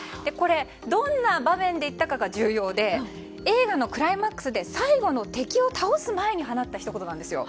どんな場面で言ったかが重要で映画のクライマックスで最後の敵を倒す前に放ったひと言なんですよ。